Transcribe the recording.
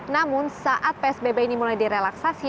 namun saat psbb ini mulai direlaksasi